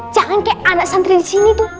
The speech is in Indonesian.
jangan kayak anak santri disini tuh